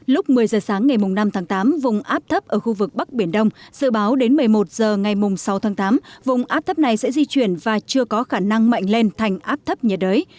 lúc một mươi giờ sáng ngày năm tháng tám vùng áp thấp ở khu vực bắc biển đông dự báo đến một mươi một h ngày sáu tháng tám vùng áp thấp này sẽ di chuyển và chưa có khả năng mạnh lên thành áp thấp nhiệt đới